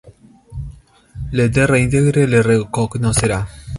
Le terra integre le recognoscera.